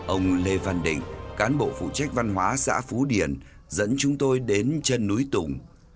ông lê văn định cán bộ phụ trách văn hóa xã phú điền dẫn chúng tôi đến chân núi tùng